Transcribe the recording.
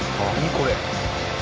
これ。